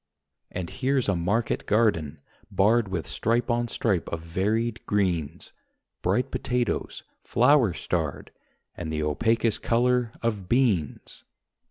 And here's a market garden, barred With stripe on stripe of varied greens ... Bright potatoes, flower starred, And the opacous colour of beans.